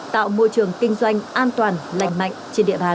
tạo môi trường kinh doanh an toàn lành mạnh trên địa bàn